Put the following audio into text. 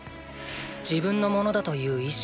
「自分のものだという意識」